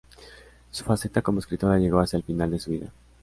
Su faceta como escritora llegó hacia el final de su vida.